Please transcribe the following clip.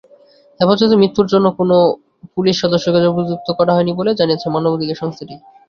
হেফাজতে মৃত্যুর জন্য কোনো পুলিশ সদস্যকে অভিযুক্ত করা হয়নি বলে জানিয়েছে মানবাধিকার সংস্থাটি।